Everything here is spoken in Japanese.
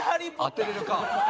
当てれるか。